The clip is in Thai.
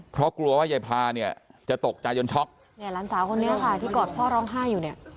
เพราะกลัวว่ายายพาเนี่ยจะตกใจจนช็อกเนี่ยหลานสาวคนนี้ค่ะที่กอดพ่อร้องไห้อยู่เนี่ย